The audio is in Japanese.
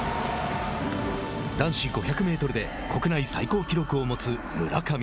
男子５００メートルで国内最高記録を持つ村上。